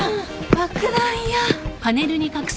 爆弾や